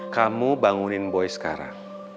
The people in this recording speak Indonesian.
kamu bangunin boy sekarang